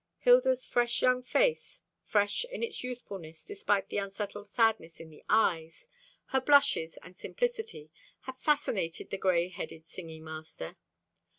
Hilda's fresh young face fresh in its youthfulness, despite the settled sadness in the eyes her blushes and simplicity, had fascinated the gray headed singing master.